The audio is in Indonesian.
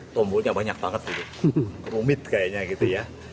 tombolnya banyak banget gitu rumit kayaknya gitu ya